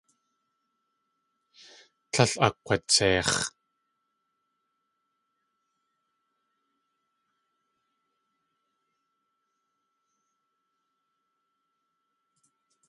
Tlél akg̲watseix̲.